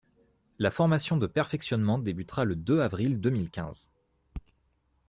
La formation de perfectionnement débutera le deux avril deux mille quinze.